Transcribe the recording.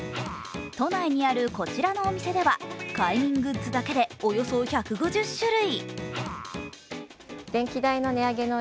都内にあるこちらのお店では快眠グッズだけでおよそ１５０種類。